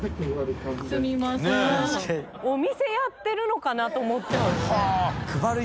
お店やってるのかなと思っちゃうよね。